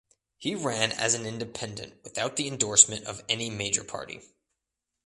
He ran as an independent without the endorsement of any major party.